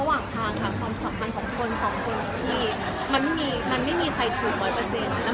ความสำคัญของคนนี้นี้